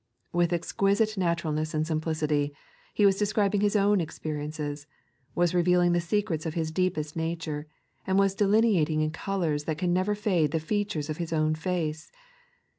With exquisite naturalness and simplicity. He was de scribing His own experiences, was reveling the secrets of Hia deepest nature, and was delineating in colours that can never fade the features of His own face.